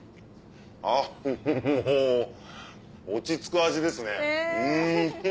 あっもう落ち着く味ですね。